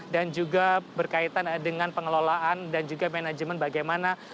dan juga berkaitan dengan pengelolaan dan juga manajemen bagaimana